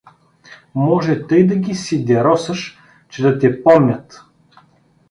Може тъй да ги сидеросаш, че да те помнят.